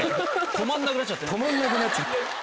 止まんなくなっちゃって。